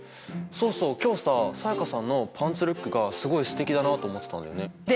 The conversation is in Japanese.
そうそう今日さ才加さんのパンツルックがすごいすてきだなあと思ってたんだよね。でしょう？